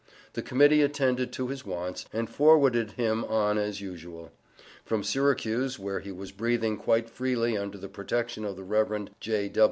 The Committee attended to his wants, and forwarded him on as usual. From Syracuse, where he was breathing quite freely under the protection of the Rev. J.